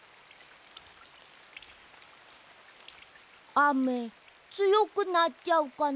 あめつよくなっちゃうかな。